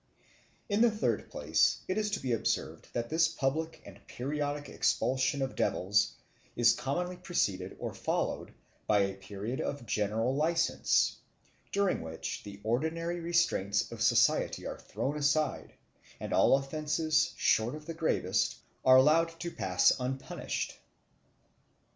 In the third place, it is to be observed that this public and periodic expulsion of devils is commonly preceded or followed by a period of general license, during which the ordinary restraints of society are thrown aside, and all offences, short of the gravest, are allowed to pass unpunished.